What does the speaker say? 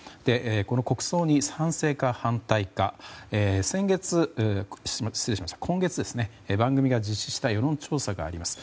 この国葬に賛成か反対か今月、番組が実施した世論調査があります。